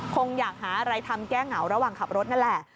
คงอยากหาอะไรทำแก้เหงาระหว่างขับรถนั่นแหละ